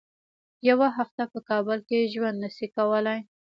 یوه هفته په کابل کې ژوند نه شي کولای.